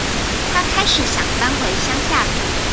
她開始想搬回鄉下住